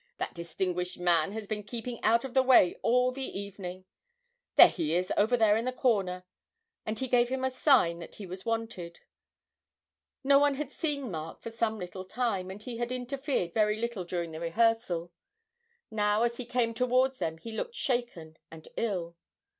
'That distinguished man has been keeping out of the way all the evening. There he is over there in the corner!' and he gave him a sign that he was wanted. No one had seen Mark for some little time, and he had interfered very little during the rehearsal. Now as he came towards them he looked shaken and ill.